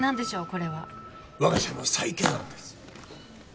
これは我が社の再建案です